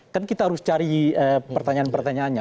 kan kita harus cari pertanyaan pertanyaannya